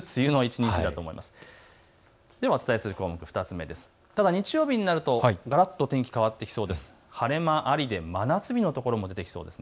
日曜日になるとがらっと天気が変わってきそうです。